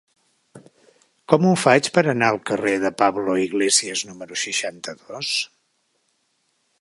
Com ho faig per anar al carrer de Pablo Iglesias número seixanta-dos?